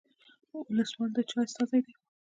ولسوال د چا استازی دی؟